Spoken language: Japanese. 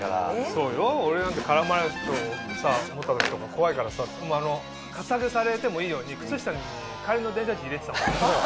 そうよ俺なんて絡まれると思った時とか怖いからさかつあげされてもいいように靴下に帰りの電車賃入れてたもん。